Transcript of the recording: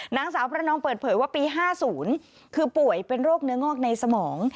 นางสาวประนองเปิดเผยว่าปี๕๐คือป่วยเป็นโรคเนื้องอกในสมอง